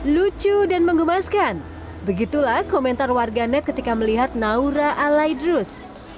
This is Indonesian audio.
lucu dan mengemaskan begitulah komentar warga net ketika melihat naura alaidrus